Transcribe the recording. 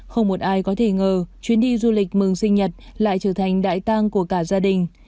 không một ai có thể ngờ chuyến đi du lịch mừng sinh nhật lại trở thành đại tăng của cả gia đình